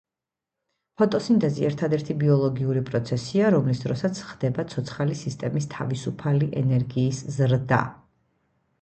ფოტოსინთეზი ერთადერთი ბიოლოგიური პროცესია, რომლის დროსაც ხდება ცოცხალი სისტემის თავისუფალი ენერგიის ზრდა.